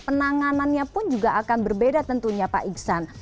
penanganannya pun juga akan berbeda tentunya pak iksan